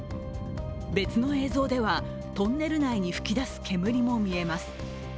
別の映像ではトンネル内に噴き出す煙も見えます。